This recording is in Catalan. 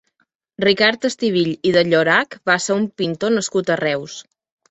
Ricard Estivill i de Llorach va ser un pintor nascut a Reus.